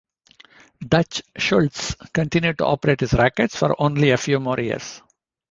Dutch Schultz continued to operate his rackets for only a few more years.